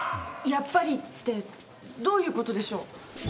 やっぱりってどういう事でしょう？